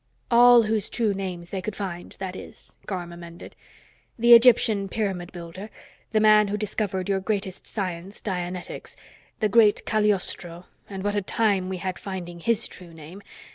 "All whose true names they could find, that is," Garm amended. "The Egyptian pyramid builder, the man who discovered your greatest science, dianetics, the great Cagliostro and what a time we had finding his true name!